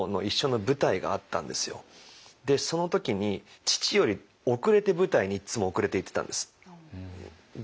でその時に父より遅れて舞台にいつも遅れて行ってたんです。